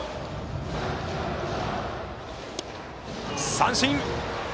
三振！